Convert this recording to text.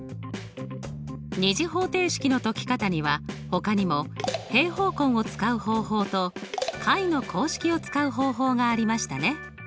２次方程式の解き方にはほかにも平方根を使う方法と解の公式を使う方法がありましたね。